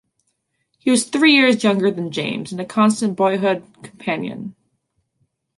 He was three years younger than James, and a constant boyhood companion.